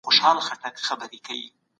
د لويي جرګې له پاره مالي لګښت څوک ورکوي؟